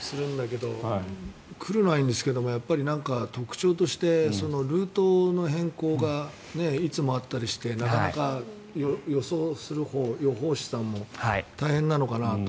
来るのはいいんですが特徴としてルートの変更がいつもあったりしてなかなか予想するほう予報士さんも大変なのかなと。